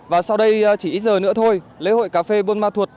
và sau đây chỉ ít giờ nữa thôi lễ hội cà phê buôn ma thuột